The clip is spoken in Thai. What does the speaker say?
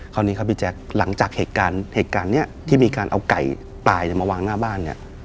คราวนี้ครับพี่แจ๊กหลังจากเหตุการณ์ที่มีการเอาไก่ตายมาวางหน้าบ้าน